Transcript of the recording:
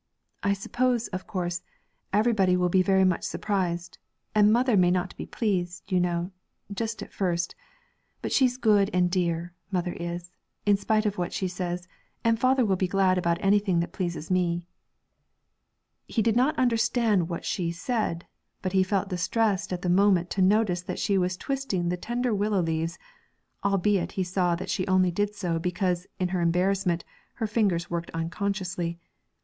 'I suppose, of course, everybody will be very much surprised, and mother may not be pleased, you know, just at first; but she's good and dear, mother is, in spite of what she says; and father will be glad about anything that pleases me.' He did not understand what she said; but he felt distressed at the moment to notice that she was twisting the tender willow leaves, albeit he saw that she only did so because, in her embarrassment, her fingers worked unconsciously.